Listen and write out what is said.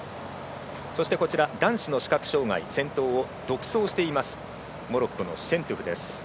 そしてこちら男子の視覚障がい先頭を独走しているモロッコのシェントゥフ。